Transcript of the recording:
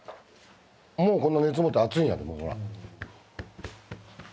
もうこんな熱持って熱いんやでほら。